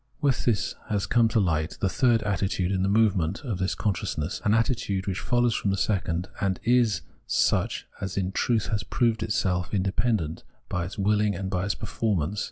With this has come to light the third attitude in the movement of this consciousness, an attitude which follows from the second and is such as in truth has proved itself independent by its wilHng and by its per formance.